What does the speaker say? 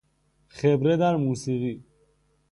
خبره در موسیقی